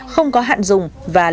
không có hạn dùng và lãi hậu